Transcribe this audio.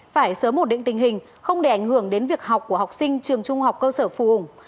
phải sớm một định tình hình không để ảnh hưởng đến việc học của học sinh trường trung học cơ sở phù hùng